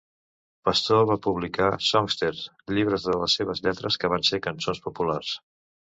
Pastor va publicar "songsters", llibres de les seves lletres que van ser cançons populars.